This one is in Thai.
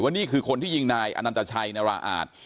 นี่คือคนที่ยิงนายอนันตชัยนาราอาจ